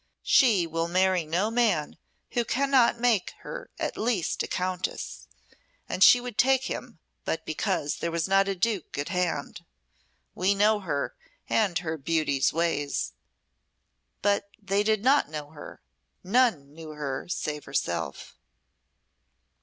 She will marry no man who cannot make her at least a countess, and she would take him but because there was not a duke at hand. We know her, and her beauty's ways." But they did not know her; none knew her, save herself.